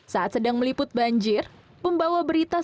saat sedang meliput banjir pembawa berita